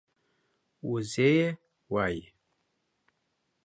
وزۍ وايي